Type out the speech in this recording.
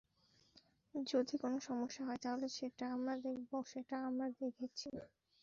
যদি কোনো সমস্যা হয়, তাহলে সেটা তো আমরা দেখব, সেটা আমরা দেখছি।